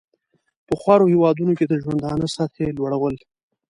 په خوارو هېوادونو کې د ژوندانه سطحې لوړول.